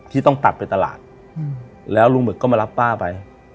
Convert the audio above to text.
ที่ต้องตัดไปตลาดแล้วลุงหมึกก็มารับป้าไป